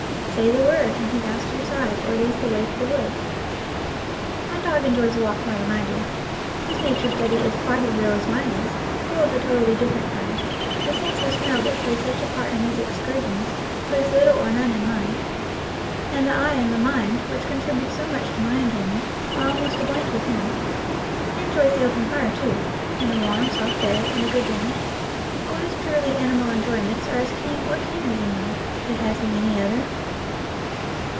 Say the word, and he bounds to your side, or leads the way to the woods. My dog enjoys a walk more than I do; his nature study is quite as real as mine is, though of a totally different kind; the sense of smell that plays such a part in his excursions, plays little or none in mine, and the eye and the mind, which contribute so much to my enjoyment, are almost a blank with him. He enjoys the open fire, too, and a warm, soft bed, and a good dinner. All his purely animal enjoy ments are as keen or keener than mine, but has he any other?